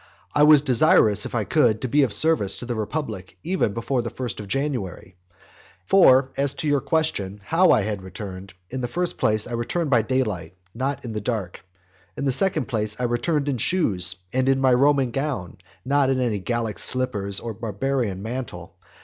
I was desirous, if I could, to be of service to the republic even before the first of January. For, as to your question, how I had returned; in the first place, I returned by daylight, not in the dark; in the second place, I returned in shoes, and in my Roman gown, not in any Gallic slippers, or barbarian mantle.